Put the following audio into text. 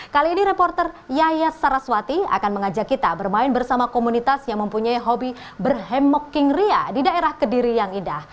kali ini reporter yaya saraswati akan mengajak kita bermain bersama komunitas yang mempunyai hobi berhemoking ria di daerah kediri yang indah